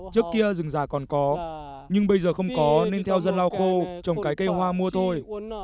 trước kia rừng già còn có nhưng bây giờ không có nên theo dân lau khô trồng cái cây hoa mua thôi